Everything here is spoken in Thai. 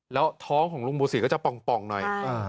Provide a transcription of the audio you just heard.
แล้วท้องของลุงบูสีก็จะป่องหน่อย